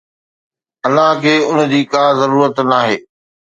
الله کي ان جي ڪا ضرورت ناهي